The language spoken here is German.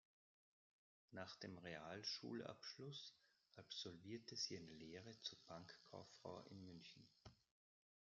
Nach dem Realschulabschluss absolvierte sie eine Lehre zur Bankkauffrau in München.